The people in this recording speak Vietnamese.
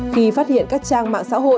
khi phát hiện các trang mạng xã hội